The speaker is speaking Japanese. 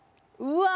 うわ！